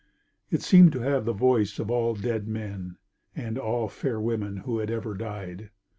It seemed to have the voice of all dead men And all fair women who had ever died.